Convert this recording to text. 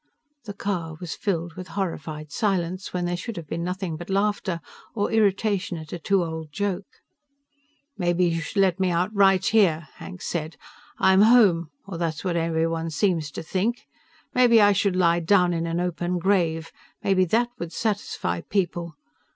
The car was filled with horrified silence when there should have been nothing but laughter, or irritation at a too old joke. "Maybe you should let me out right here," Hank said. "I'm home or that's what everyone seems to think. Maybe I should lie down in an open grave. Maybe that would satisfy people.